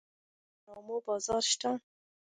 د افغاني ډرامو بازار شته؟